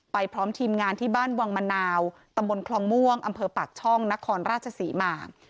พร้อมทีมงานที่บ้านวังมะนาวตำบลคลองม่วงอำเภอปากช่องนครราชศรีมา